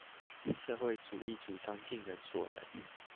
社會主義主張盡人所能